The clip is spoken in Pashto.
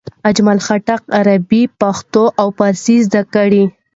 اجمل خټک عربي، پښتو او فارسي زده کړه.